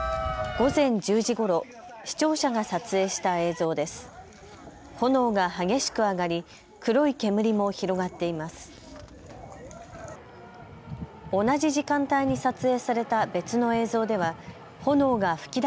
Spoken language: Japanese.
午前１０時ごろ、視聴者が撮影した映像です。